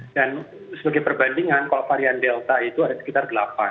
dan sebagai perbandingan kalau varian delta itu ada sekitar delapan